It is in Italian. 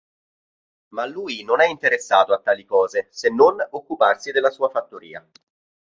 Ma lui non è interessato a tali cose, se non occuparsi della sua fattoria.